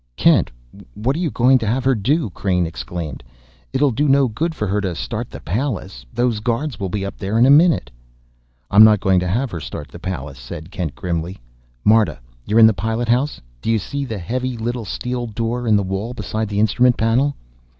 "Kent, what are you going to have her do?" Crain exclaimed. "It'll do no good for her to start the Pallas: those guards will be up there in a minute!" "I'm not going to have her start the Pallas," said Kent grimly. "Marta, you're in the pilot house? Do you see the heavy little steel door in the wall beside the instrument panel?"